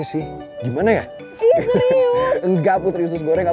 sakit dong putri usus goreng